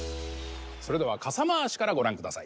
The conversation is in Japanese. それでは傘回しからご覧ください。